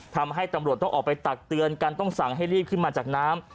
ทำให้ตำรวจต้องออกไปตักเตือนกันต้องสั่งให้รีบขึ้นมาจากน้ำ